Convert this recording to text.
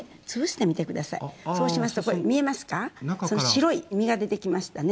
白い実が出てきましたね。